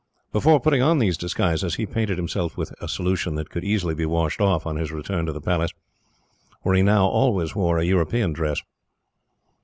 Before putting on these disguises, he painted himself with a solution that could easily be washed off, on his return to the palace, where he now always wore a European dress.